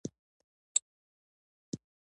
چې تازه په تازه د توپونو نښه ګرځول شوي و.